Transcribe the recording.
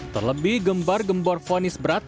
terlebih gembar gembor fonis berat